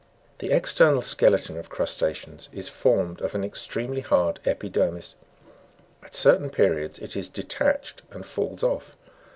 4. The external skeleton of crusta'ceans is formed of an ex tremely hard epidermis : at certain periods it is detached and falls off.